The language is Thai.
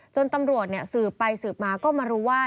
ตำรวจสืบไปสืบมาก็มารู้ว่า